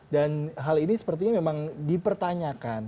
hal ini sepertinya memang dipertanyakan